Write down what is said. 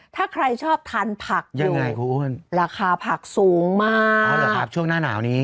ถ้าใครชอบทานผักอยู่ราคาผักสูงมากอ๋อเหรอครับช่วงหน้าหนาวนี้